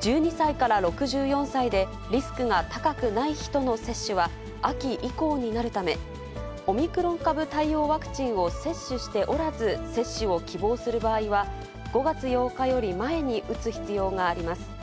１２歳から６４歳で、リスクが高くない人の接種は、秋以降になるため、オミクロン株対応ワクチンを接種しておらず、接種を希望する場合は、５月８日より前に打つ必要があります。